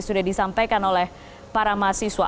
sudah disampaikan oleh para mahasiswa